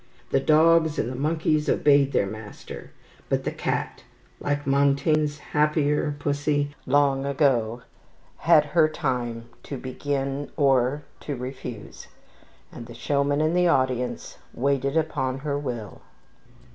The dogs and the monkeys obeyed their master; but the cat, like Montaigne's happier pussy long ago, had "her time to begin or to refuse," and showman and audience waited upon her will.